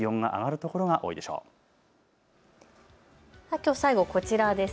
きょう最後こちらです。